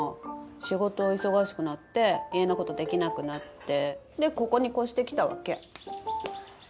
仕事忙しくなって家の事できなくなってでここに越してきたわけ。